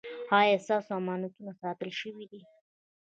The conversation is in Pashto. ایا ستاسو امانتونه ساتل شوي دي؟